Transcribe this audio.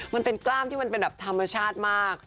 มันเป็นกล้ามที่มันเป็นแบบธรรมชาติมาก